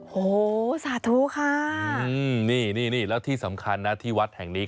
โหสาธุค่ะนี่นี่แล้วที่สำคัญนะที่วัดแห่งนี้